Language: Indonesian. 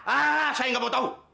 ah saya gak mau tau